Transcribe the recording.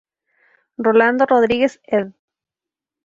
Rolando Rodríguez, Ed.